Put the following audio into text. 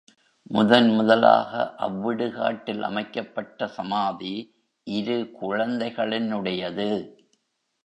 முதன் முதலாக அவ்விடுகாட்டில் அமைக்கப்பட்ட சமாதி இரு குழந்தைகளினுடையது.